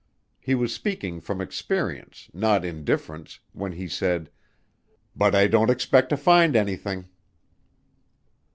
He was speaking from experience, not indifference, when he said, "But I don't expect to find anything."